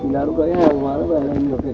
đánh đau khiến khách hàng bị tiêu diệt